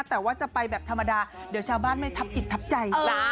แต่ว่าจะไปแบบธรรมดาเดี๋ยวชาวบ้านไม่ทับจิตทับใจ